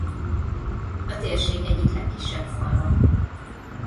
A térség egyik legkisebb falva.